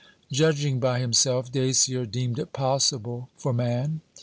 Judging by himself, Dacier deemed it possible for man.